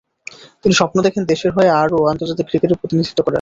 তিনি স্বপ্ন দেখেন দেশের হয়ে আরও আন্তর্জাতিক ক্রিকেটে প্রতিনিধিত্ব করার।